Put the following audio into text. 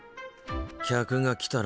客が来たらな。